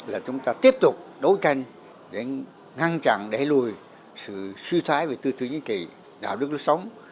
là chúng ta tiếp tục đối tranh để ngăn chặn để lùi sự suy thoái về tư thưởng chính trị đạo đức lúc sống